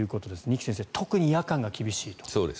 二木先生、特に夜間が厳しいと。